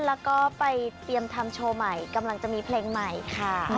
แล้วก็ไปเตรียมทำโชว์ใหม่กำลังจะมีเพลงใหม่ค่ะ